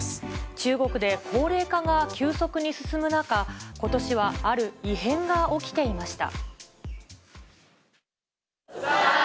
中国で高齢化が急速に進む中、ことしはある異変が起きていました。